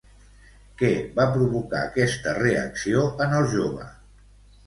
Què va provocar aquesta reacció en el jove?